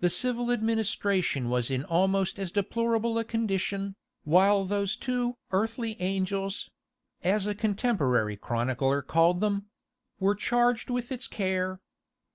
The civil administration was in almost as deplorable a condition, while those two "Earthly Angels" (as a contemporary chronicler called them) were charged with its care.